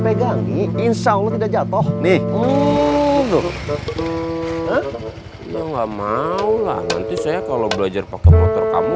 pegang nih insya allah tidak jatuh nih nggak mau lah nanti saya kalau belajar pakai motor kamu